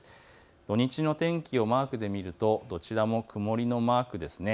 土日の天気をマークで見るとどちらも曇りのマークです。